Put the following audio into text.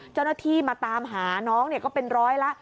เจ้าหน้าที่มาตามหาน้องก็เป็นร้อยละ